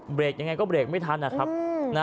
เบรกยังไงก็เบรกไม่ทัน